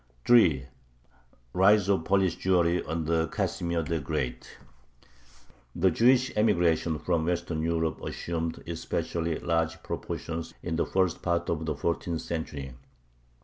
3. RISE OF POLISH JEWRY UNDER CASIMIR THE GREAT The Jewish emigration from Western Europe assumed especially large proportions in the first part of the fourteenth century.